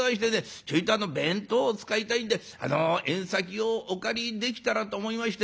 ちょいと弁当を使いたいんであの縁先をお借りできたらと思いまして」。